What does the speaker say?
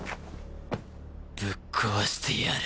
ぶっ壊してやる。